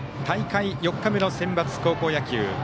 大会４日目のセンバツ高校野球。